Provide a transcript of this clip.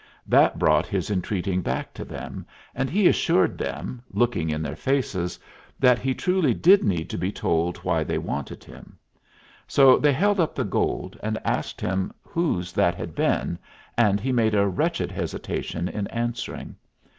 That brought his entreating back to them, and he assured them, looking in their faces, that he truly did need to be told why they wanted him. So they held up the gold and asked him whose that had been, and he made a wretched hesitation in answering.